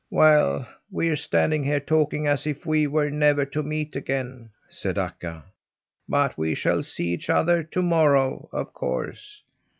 "Well, we're standing here talking as if we were never to meet again," said Akka, "but we shall see each other to morrow, of course.